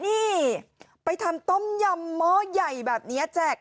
นี่ไปทำต้มยำหม้อใหญ่แบบนี้แจก